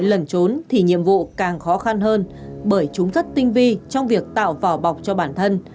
lần trốn thì nhiệm vụ càng khó khăn hơn bởi chúng rất tinh vi trong việc tạo vỏ bọc cho bản thân